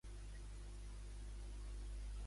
Com es deia la mare d'Auge?